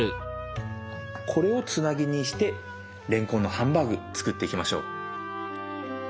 これをつなぎにしてれんこんのハンバーグ作っていきましょう。